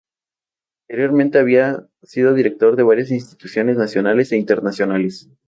Anteriormente había sido director de varias instituciones nacionales e internacionales.